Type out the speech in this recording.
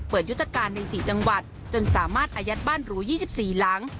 ยุทธการใน๔จังหวัดจนสามารถอายัดบ้านหรู๒๔หลัง